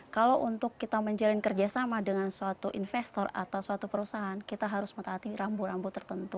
kalau untuk kita menjalin kerjasama dengan suatu investor atau suatu perusahaan kita harus mentaati rambu rambu tertentu